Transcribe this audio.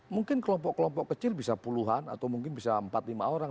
mungkin kelompok kelompok kecil bisa puluhan atau mungkin bisa empat lima orang